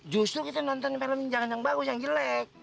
justru kita nonton pelemin jangan yang bagus yang jelek